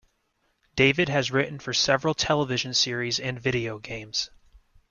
David has written for several television series and video games.